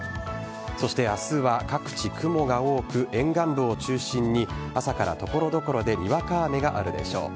そして明日は各地、雲が多く沿岸部を中心に朝から所々でにわか雨があるでしょう。